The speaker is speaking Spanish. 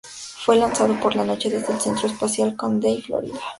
Fue lanzado por la noche desde el Centro Espacial Kennedy, Florida.